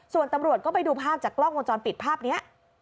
ส่วนตำรวจก็ไปดูภาพจากกล้องวงจรปิดภาพนี้